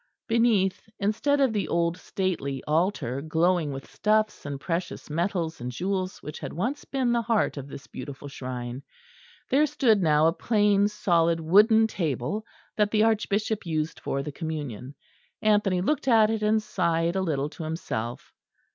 Beneath, instead of the old stately altar glowing with stuffs and precious metals and jewels which had once been the heart of this beautiful shrine, there stood now a plain solid wooden table that the Archbishop used for the Communion. Anthony looked at it, and sighed a little to himself.